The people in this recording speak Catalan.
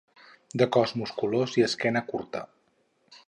De cos musculós i esquena curta.